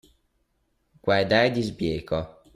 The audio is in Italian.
Guardare di sbieco.